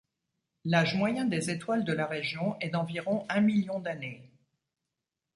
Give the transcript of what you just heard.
L'âge moyen des étoiles de la région est d'environ un million d'années.